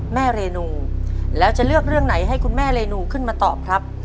เรนูแล้วจะเลือกเรื่องไหนให้คุณแม่เรนูขึ้นมาตอบครับ